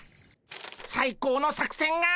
最高の作戦が！